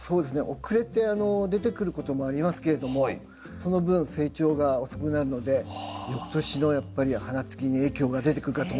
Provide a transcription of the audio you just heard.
遅れて出てくることもありますけれどもその分成長が遅くなるのでよくとしのやっぱり花つきに影響が出てくるかと思います。